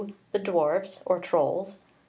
The Dwarfs, or Trolls; 3.